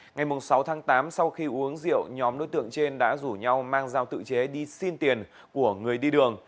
ngày sáu tháng tám sau khi uống rượu nhóm đối tượng trên đã rủ nhau mang dao tự chế đi xin tiền của người đi đường